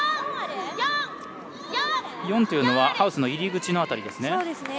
４というのはハウスの入り口の辺りですね。